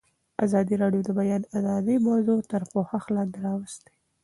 ازادي راډیو د د بیان آزادي موضوع تر پوښښ لاندې راوستې.